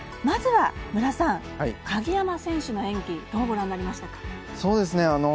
まずは無良さん、鍵山選手の演技どうご覧になりましたか？